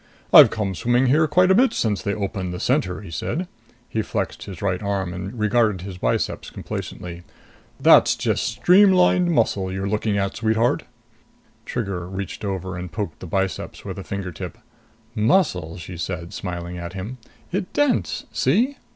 "I've come swimming here quite a bit since they opened the Center," he said. He flexed his right arm and regarded his biceps complacently. "That's just streamlined muscle you're looking at, sweetheart!" Trigger reached over and poked the biceps with a finger tip. "Muscle?" she said, smiling at him. "It dents. See?"